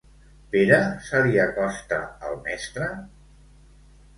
Pere se li acosta al mestre?